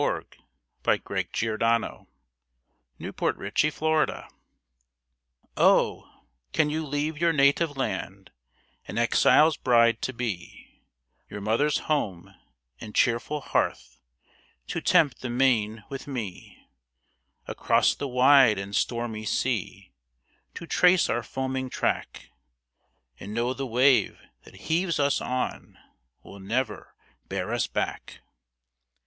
CAN YOU LEAVE YOUR NATIVE LAND? A Canadian Song Oh! can you leave your native land An exile's bride to be; Your mother's home, and cheerful hearth, To tempt the main with me; Across the wide and stormy sea To trace our foaming track, And know the wave that heaves us on Will never bear us back?